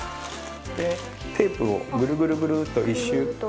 でテープをぐるぐるぐるっと１周。